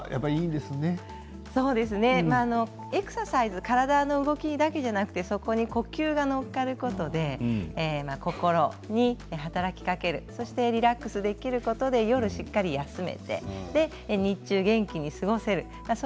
エクササイズ体の動きだけじゃなくてそこに呼吸が乗っかることで心に働きかけるそしてリラックスできることで夜しっかり休めて日中元気に過ごせるそう